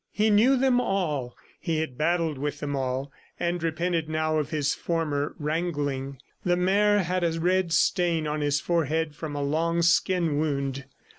He knew them all, he had battled with them all, and repented now of his former wrangling. The mayor had a red stain on his forehead from a long skin wound.